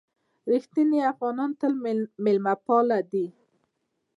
رښتیني افغانان تل مېلمه پالي دي.